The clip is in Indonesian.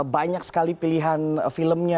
banyak sekali pilihan filmnya